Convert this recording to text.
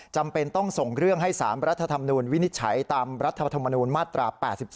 จำเป็นต้องส่งเรื่องให้๓รัฐธรรมนูญวินิจฉัยตามรัฐธรรมนูญมาตรา๘๒